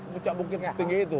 bucak bukit setinggi itu